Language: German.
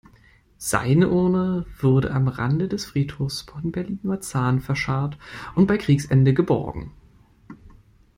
Seine Urne wurde am Rande des Friedhofs von Berlin-Marzahn verscharrt und bei Kriegsende geborgen.